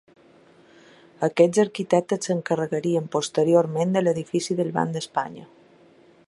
Aquests arquitectes s'encarregarien posteriorment de l'edifici del Banc d'Espanya.